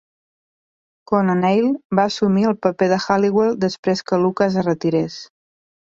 Con O'Neill va assumir el paper de Halliwell després que Lucas es retirés.